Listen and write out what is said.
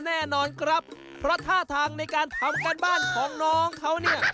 แน่นอนครับเพราะท่าทางในการทำการบ้านของน้องเขาเนี่ย